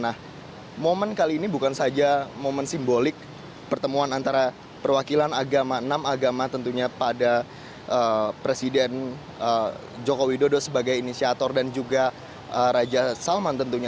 nah momen kali ini bukan saja momen simbolik pertemuan antara perwakilan agama enam agama tentunya pada presiden joko widodo sebagai inisiator dan juga raja salman tentunya